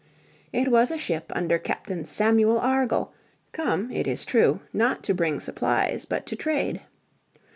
It was a ship under Captain Samuel Argall, come, it is true, not to bring supplies, but to trade.